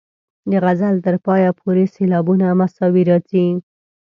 د غزل تر پایه پورې سېلابونه مساوي راځي.